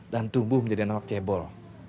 dan tumbuh menjadi anak cembol